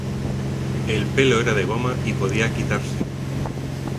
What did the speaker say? El pelo era de goma y podía quitarse.